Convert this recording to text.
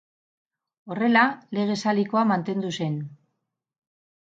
Horrela Lege Salikoa mantendu zen.